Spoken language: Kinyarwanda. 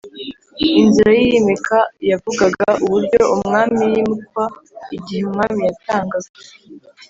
inzira y’iyimika: yavugaga uburyo umwami yimikwa igihe umwami yatangaga,